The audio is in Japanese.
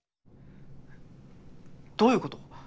どういうこと？